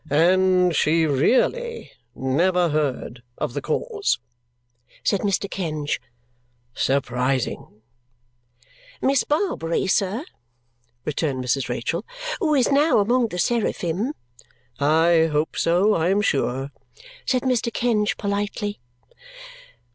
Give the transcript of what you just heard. "And she really never heard of the cause!" said Mr. Kenge. "Surprising!" "Miss Barbary, sir," returned Mrs. Rachael, "who is now among the Seraphim " "I hope so, I am sure," said Mr. Kenge politely.